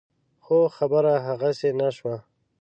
خو خبره هغسې نه شوه.